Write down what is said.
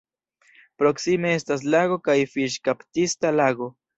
Proksime estas lago kaj fiŝkaptista lago.